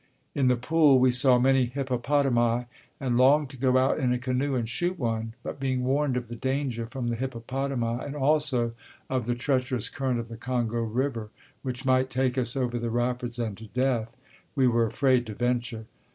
In the "Pool" we saw many hippopotami, and longed to go out in a canoe and shoot one, but being warned of the danger from the hippopotami and also of the treacherous current of the Congo River, which might take us over the rapids and to death, we were afraid to venture.